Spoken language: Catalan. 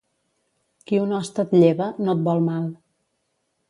Qui un hoste et lleva, no et vol mal.